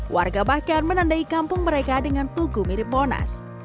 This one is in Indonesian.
warga bahkan menandai kampung mereka dengan tugu mirip monas